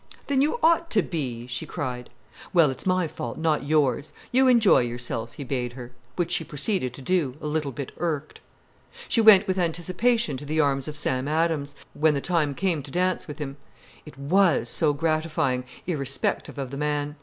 "Then you ought to be!" she cried. "Well, it's my fault, not yours. You enjoy yourself," he bade her. Which she proceeded to do, a little bit irked. She went with anticipation to the arms of Sam Adams, when the time came to dance with him. It was so gratifying, irrespective of the man.